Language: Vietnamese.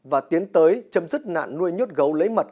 và tiến tới chấm dứt nạn nuôi nhốt gấu lấy mật